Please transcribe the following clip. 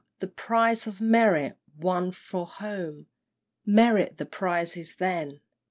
The prize of merit, won for home Merit had prizes then!